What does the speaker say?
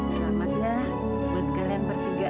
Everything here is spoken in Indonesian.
selamat ya buat kalian bertiga